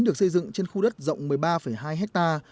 được xây dựng trên khu đất rộng một mươi ba hai hectare